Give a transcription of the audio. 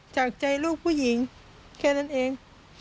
จากใจลูกผู้หญิงแค่นั้นเอง